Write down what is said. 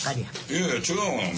いやいや違うがな。